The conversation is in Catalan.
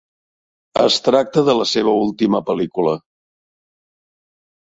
Es tracta de la seva última pel·lícula.